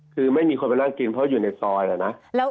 คือไม่มีคนไปนั่งกินเพราะอยู่ในซอยอะนะ